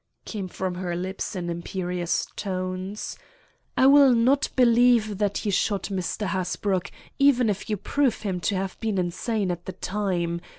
came from her lips in imperious tones. "I will not believe that he shot Mr. Hasbrouck even if you prove him to have been insane at the time.